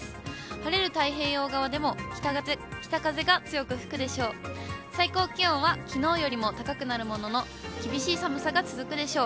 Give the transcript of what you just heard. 晴れる太平洋側でも、北風が強く吹くでしょう。